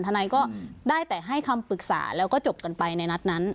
ทนายก็ได้แต่ให้คำปรึกษาแล้วก็จบกันไปในนัดนั้น